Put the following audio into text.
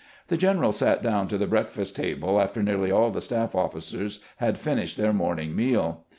The general sat down to the breakfast table after nearly all the staff officers had finished their morning meal.